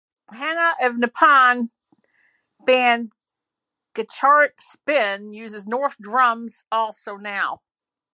Hana of Nippon band Gacharic Spin uses North drums also now.